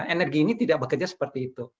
energi ini tidak bekerja seperti itu